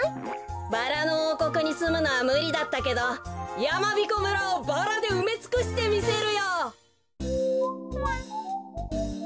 バラのおうこくにすむのはむりだったけどやまびこ村をバラでうめつくしてみせるよ。